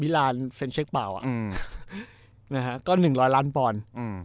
มีล้านเช็คเปล่าอ่ะก็๑๐๐ล้านปอนด์